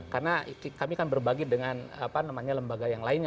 karena kami kan berbagi dengan lembaga yang lainnya